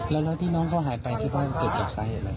แล้วที่น้องเขาหายไปคิดว่าเกิดเกิดไส้อะไร